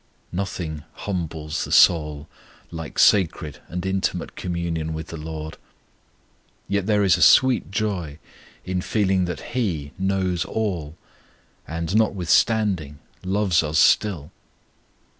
'" Nothing humbles the soul like sacred and intimate communion with the LORD; yet there is a sweet joy in feeling that He knows all, and, notwithstanding, loves us still.